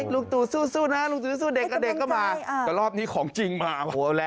ลุงตู่สู้นะลุงตู่สู้เด็กกับเด็กก็มา